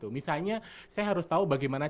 misalnya saya harus tahu bagaimana